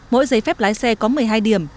mỗi giấy phép lái xe có một mươi hai điểm